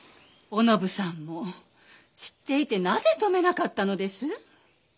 お信さんも知っていてなぜ止めなかったのです？